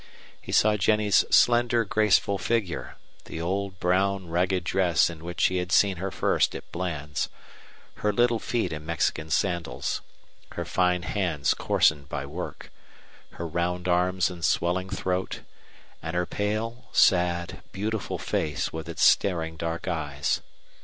He saw Jennie's slender, graceful figure, the old brown ragged dress in which he had seen her first at Bland's, her little feet in Mexican sandals, her fine hands coarsened by work, her round arms and swelling throat, and her pale, sad, beautiful face with its staring dark eyes.